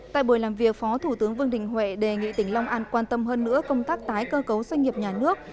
tại buổi làm việc phó thủ tướng vương đình huệ đề nghị tỉnh long an quan tâm hơn nữa công tác tái cơ cấu doanh nghiệp nhà nước